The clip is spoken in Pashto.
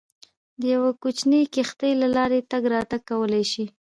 د یوې کوچنۍ کښتۍ له لارې تګ راتګ کولای شي.